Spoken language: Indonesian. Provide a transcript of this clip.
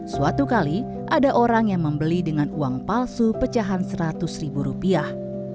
suatu kali ada orang yang membeli dengan uang palsu pecahan seratus ribu rupiah